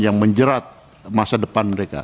yang menjerat masa depan mereka